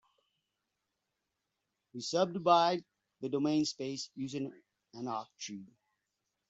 We subdivide the domain space using an octree.